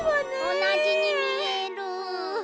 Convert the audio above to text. おなじにみえる。